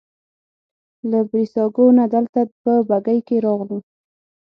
له بریساګو نه دلته په بګۍ کې راغلو.